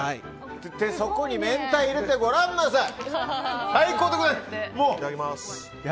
そこに明太入れてごらんなさい。